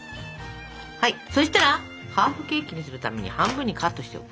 はいそしたらハーフケーキにするために半分にカットしておく。